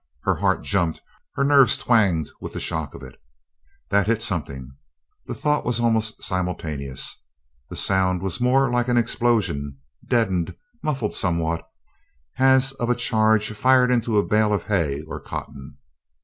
Her heart jumped her nerves twanged with the shock of it. "That hit something!" The thought was almost simultaneous. The sound was more like an explosion deadened, muffled somewhat as of a charge fired into a bale of hay or cotton.